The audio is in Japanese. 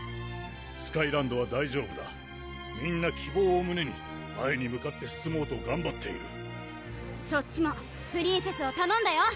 スカイランドは大丈夫だみんな希望を胸に前に向かって進もうとがんばっているそっちもプリンセスをたのんだよ！